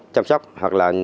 chăm sóc hoặc là